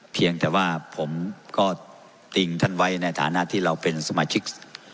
เพียงแต่ว่าผมก็ติงท่านไว้ในฐานะที่เราเป็นสมาชิก